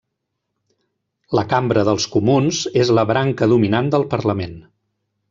La Cambra dels Comuns és la branca dominant del Parlament.